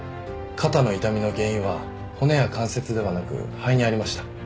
肩の痛みの原因は骨や関節ではなく肺にありました。